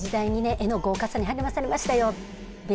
絵の豪華さに励まされましたよ